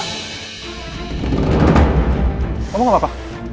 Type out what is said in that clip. kamu enggak apa apa